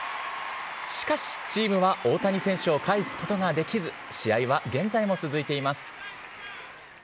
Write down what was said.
しかし、チームは大谷選手をかえすことができず、試合は現在も続いています。